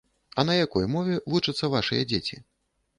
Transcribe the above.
А на якой мове вучацца вашыя дзеці?